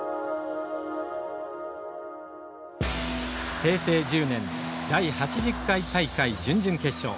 平成１０年第８０回大会、準々決勝。